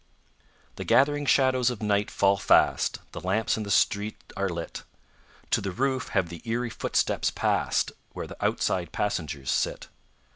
The gathering shadows of night fall fast; The lamps in the street are lit; To the roof have the eerie footsteps passed, Where the outside passengers sit.